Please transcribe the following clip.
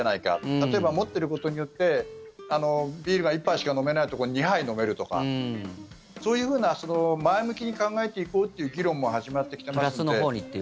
例えば持ってることによってビールが１杯しか飲めないところを２杯飲めるとかそういうふうな前向きに考えていこうという議論もプラスのほうにというね。